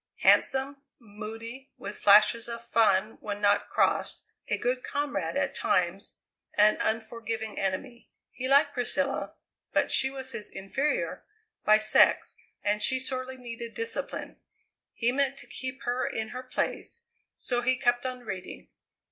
Handsome, moody, with flashes of fun when not crossed, a good comrade at times, an unforgiving enemy. He liked Priscilla, but she was his inferior, by sex, and she sorely needed discipline. He meant to keep her in her place, so he kept on reading.